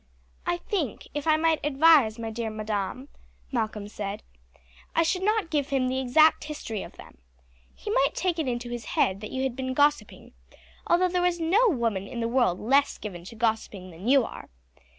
"I think, if I might advise, my dear madam," Malcolm said, "I should not give him the exact history of them. He might take it into his head that you had been gossiping, although there is no woman in the world less given to gossiping than you are.